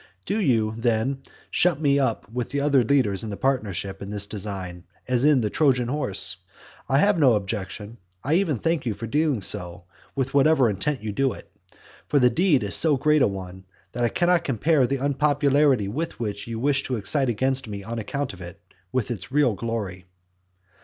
Do you, then, shut me up with the other leaders in the partnership in this design, as in the Trojan horse? I have no objection; I even thank you for doing so, with whatever intent you do it. For the deed is so great an one, that I cannot compare the unpopularity which you wish to excite against me on account of it, with its real glory.